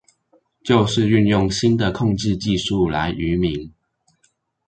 就是運用新的控制技術來愚民